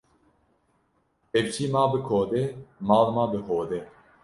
Kevçî ma bi kodê, mal ma bi hodê